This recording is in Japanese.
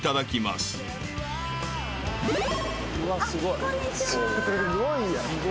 すごい。